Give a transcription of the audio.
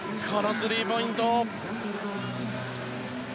スリーポイント。